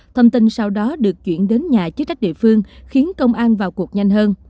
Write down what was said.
thông tin sau đó được chuyển đến nhà chức trách địa phương khiến công an vào cuộc nhanh hơn